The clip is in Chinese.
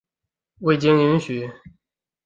未经允许